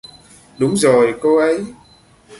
Đúng rồi cô ấy